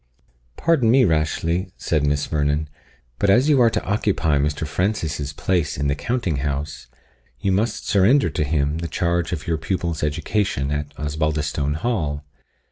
"Pardon me, Rashleigh," said Miss Vernon, "but as you are to occupy Mr. Francis's place in the counting house, you must surrender to him the charge of your pupil's education at Osbaldistone Hall.